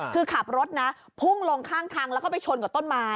คือขับรถนะพุ่งลงข้างทางแล้วก็ไปชนกับต้นไม้